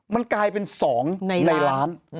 มันกลายเป็น๒ในล้าน